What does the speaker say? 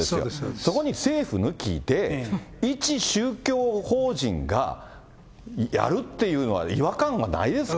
そこに政府抜きで、一宗教法人がやるっていうのは、違和感がないですか。